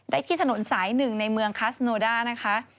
ได้ที่ถนนสายหนึ่งในเมืองคลาสโนด้านะคะ